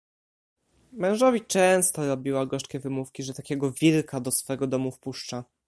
"Mężowi często robiła gorzkie wymówki, że takiego wilka do swego domu wpuszcza."